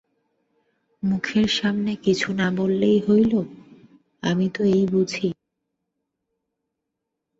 মুখের সামনে কিছু না বলিলেই হইল, আমি তো এই বুঝি।